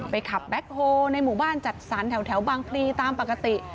ขับแบ็คโฮลในหมู่บ้านจัดสรรแถวบางพลีตามปกติ